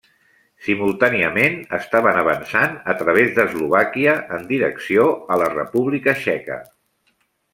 Simultàniament, estaven avançant a través d'Eslovàquia en direcció a la República Txeca.